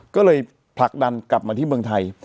ก็เลยผลักดันกลับมาที่เมืองไทย